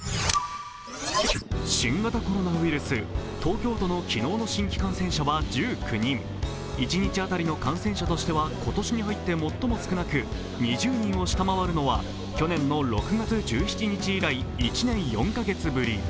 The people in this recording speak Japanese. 新型コロナウイルス、東京都の昨日の新規感染者は１９人一日当たりの感染者としては今年に入って最も少なく、２０人を下回るのは去年６月１７日以来、１年４カ月ぶり。